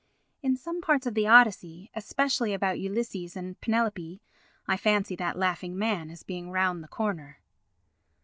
In some parts of the Odyssey, especially about Ulysses and Penelope, I fancy that laughing man as being round the corner.